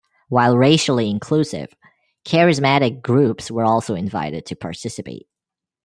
While racially inclusive, charismatic groups were also invited to participate.